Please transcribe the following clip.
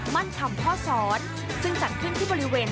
คำพ่อสอนซึ่งจัดขึ้นที่บริเวณ